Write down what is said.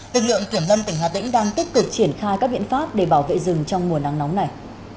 lực lượng kiểm lâm tỉnh hà tĩnh đang tích cực triển khai các biện pháp để bảo vệ rừng trong mùa nắng nóng này